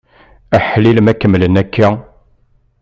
Aḥlil ma kemmlen akka!